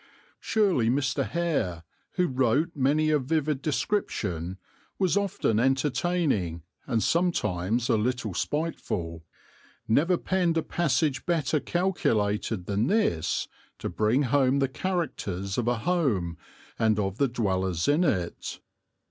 Surely Mr. Hare, who wrote many a vivid description, was often entertaining, and sometimes a little spiteful, never penned a passage better calculated than this to bring home the characters of a home and of the dwellers in it.